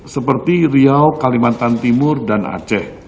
seperti riau kalimantan timur dan aceh